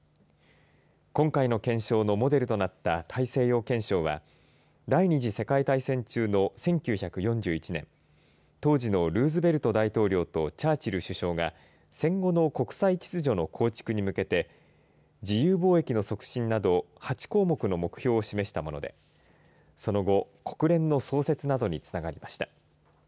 今回の憲章のモデルとなった大西洋憲章は第２次世界大戦中の１９４１年当時のルーズベルト大統領とチャーチル首相が戦後の国際秩序の構築に向けて自由貿易の促進など８項目の目標を示したものでその後、国連の創設などにつながりました。